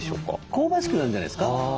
香ばしくなるんじゃないですか。